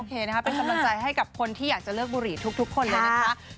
เป็นกำลังใจให้กับคนที่อยากจะเลิกบุหรี่ทุกคนเลยนะคะ